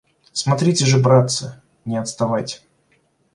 - Смотрите же, братцы, не отставать!